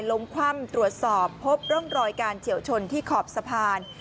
คว่ำตรวจสอบพบร่องรอยการเฉียวชนที่ขอบสะพาน